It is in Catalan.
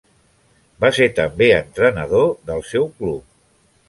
Va ser també entrenador del seu club.